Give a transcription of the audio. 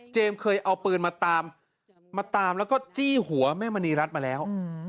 เจมส์เคยเอาปืนมาตามแล้วก็จี้หัวแม่มณีรัฐมาแล้ว